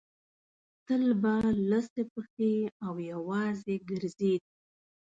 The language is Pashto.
تل به لڅې پښې او یوازې ګرځېد.